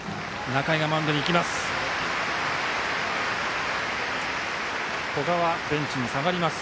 仲井がマウンドに行きます。